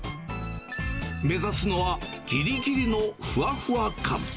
目指すのは、ぎりぎりのふわふわ感。